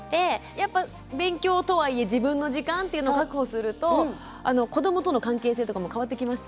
やっぱ勉強とはいえ自分の時間っていうの確保すると子どもとの関係性とかも変わってきました？